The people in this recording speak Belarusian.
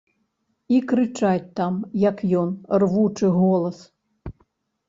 І крычаць там, як ён, рвучы голас.